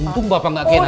untung bapak gak kena